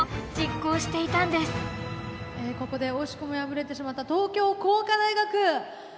ここで惜しくも敗れてしまった東京工科大学。